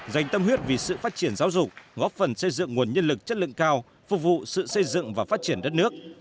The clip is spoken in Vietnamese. dành tâm huyết vì sự phát triển giáo dục góp phần xây dựng nguồn nhân lực chất lượng cao phục vụ sự xây dựng và phát triển đất nước